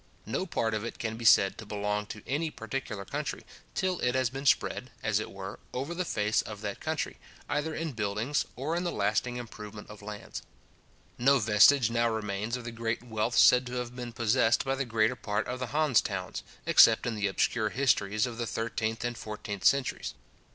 No part of it can be said to belong to any particular country, till it has been spread, as it were, over the face of that country, either in buildings, or in the lasting improvement of lands. No vestige now remains of the great wealth said to have been possessed by the greater part of the Hanse Towns, except in the obscure histories of the thirteenth and fourteenth centuries.